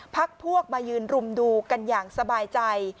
พักพวกมายืนรุมดูกันอย่างสบายใจ